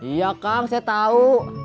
iya kang saya tahu